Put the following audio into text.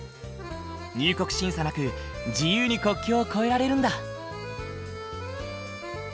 入国審査なく自由に国境を越えられるんだ。